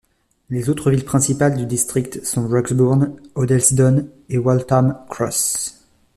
Les autres villes principales du district sont Broxbourne, Hoddesdon et Waltham Cross.